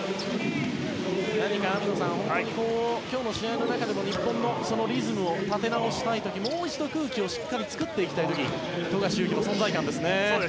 網野さん、今日の試合の中でも日本のリズムを立て直したい時もう一度、空気をしっかり作っていきたい時の富樫勇樹の存在感ですね。